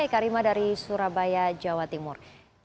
eka rima dari surabaya jawa timur